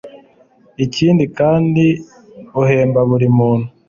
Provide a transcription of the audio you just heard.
ikindi kandi uhemba buri muntu